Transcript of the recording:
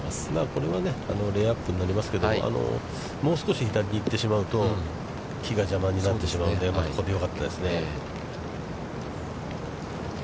これはね、レイアップになりますけども、もう少し左に行ってしまうと木が邪魔になってしまうので、ここでよかったですね。